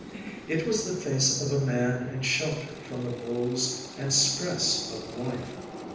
It was the face of a man in shelter from the woes and stress of life.